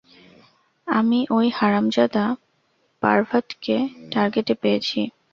আমি ঐ হারামজাদা পার্ভাটকে টার্গেটে পেয়েছি।